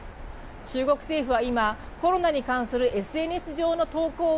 中国政府は今、コロナに関するＳＮＳ上の投稿を